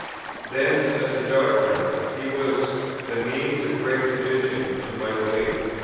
Then as to doctrine, he was the means of great additions to my belief.